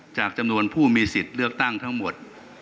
จำนวนผู้มีสิทธิ์เลือกตั้งทั้งหมด